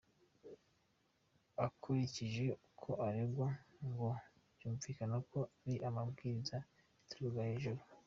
Akurikije uko aregwa ngo byumvikana ko ari amabwiriza yaturukaga hejuru.